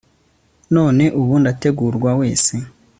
none ubu ndatengurwa wese